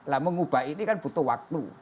nah mengubah ini kan butuh waktu